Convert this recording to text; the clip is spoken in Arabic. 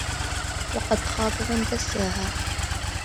وَقَد خابَ مَن دَسّاها